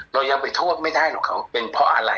เรายังไปโทษไม่ได้หรอกค่ะว่าเป็นเพราะอะไร